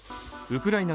ウクライナ